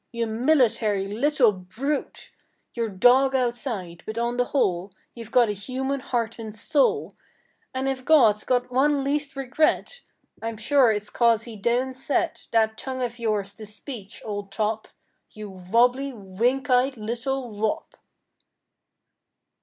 You military little brute, You're dog outside but on the whole You've got a human heart and soul And if God's got one least regret I'm sure it's cause he didn't set That tongue of yours to speech, old top— You wobbly, wink eyed little wop!